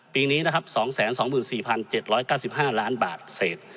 ปีนี้นะครับ๒๒๔๗๙๕ล้านบาทเศษ